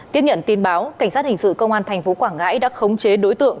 tiếp nhận tin báo cảnh sát hình sự công an tp quảng ngãi đã khống chế đối tượng